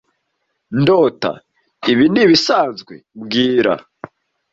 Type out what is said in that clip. ndota. Ibi ni ibisanzwe mbwira